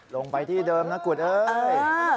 ลงไปที่เดิมนะคุณเอ้ย